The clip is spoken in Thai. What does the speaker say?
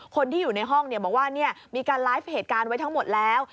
คนที่อยู่ในห้องบอกว่ามีการไลฟ์เหตุการณ์ไว้ทั้งหมดแล้ว